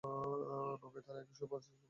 নৌকায় তারা একশ পঞ্চাশ দিন অবস্থান করেন।